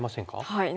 はい。